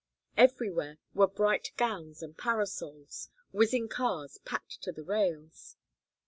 Everywhere were bright gowns and parasols, whizzing cars packed to the rails.